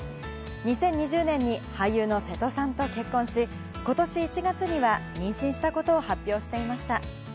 ２０２０年に俳優の瀬戸さんと結婚し、ことし１月には妊娠したことを発表していました。